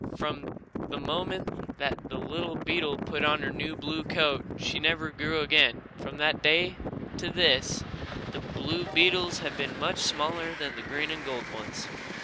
From the moment that the little beetle put on her new blue coat she never grew again. From that day to this the blue beetles have been much smaller than the green and gold ones.